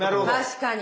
確かに。